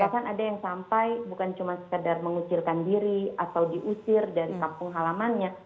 bahkan ada yang sampai bukan cuma sekedar mengucilkan diri atau diusir dari kampung halamannya